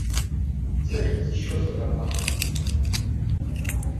Сыхьӡ ишьозар акәхап.